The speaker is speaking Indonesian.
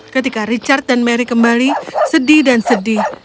ketika richard dan mary kembali sedih dan sedih